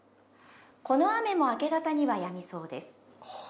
「この雨も明け方にはやみそうです」